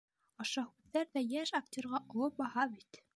Ошо һүҙҙәр ҙә йәш актерға оло баһа бит!